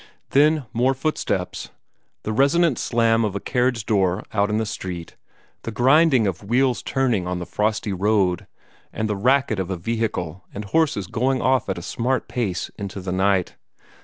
Then more footsteps, the resonant slam of a carriage door out in the street, the grinding of wheels turning on the frosty road, and the racket of a vehicle and horses going off at a smart pace into the night.